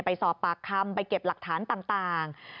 ไปสอบปากคำไปเก็บหลักฐานต่าง